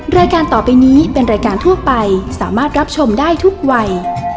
รายการต่อไปนี้เป็นรายการทั่วไปสามารถรับชมได้ทุกวัย